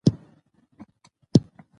بزګان د افغانستان د سیلګرۍ یوه مهمه برخه ده.